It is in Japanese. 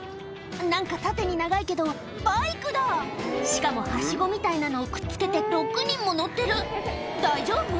何か縦に長いけどバイクだしかもハシゴみたいなのをくっつけて６人も乗ってる大丈夫？